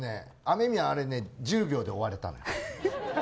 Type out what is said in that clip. あれ１０秒で終われた。